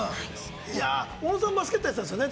おのさん、バスケットやってたんですよね？